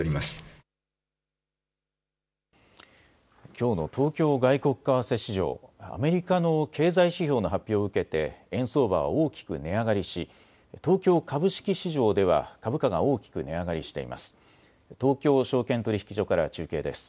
きょうの東京外国為替市場、アメリカの経済指標の発表を受けて円相場は大きく値上がりし東京株式市場では株価が大きく値上がりしています。